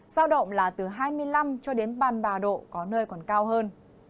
giao động là từ hai mươi năm cho đến ba mươi ba độ có nơi còn cao hơn